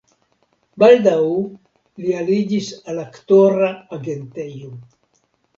Baldaŭ li aliĝis al aktora agentejo.